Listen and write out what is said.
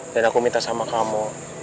dan aku minta sama kamu